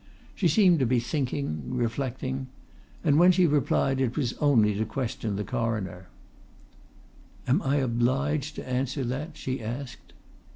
She seemed to be thinking, reflecting. And when she replied it was only to question the Coroner: "Am I obliged to answer that?" she asked.